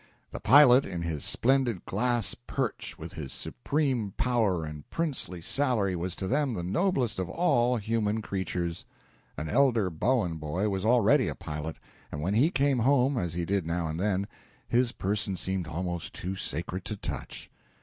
The pilot in his splendid glass perch with his supreme power and princely salary was to them the noblest of all human creatures. An elder Bowen boy was already a pilot, and when he came home, as he did now and then, his person seemed almost too sacred to touch.